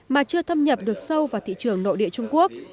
mà chưa thâm nhập được sâu vào thị trường nội địa trung quốc